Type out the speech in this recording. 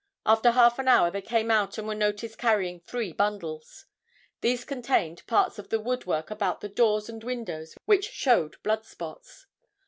After half an hour they came out and were noticed carrying three bundles. These contained parts of the woodwork about the doors and windows which showed blood spots.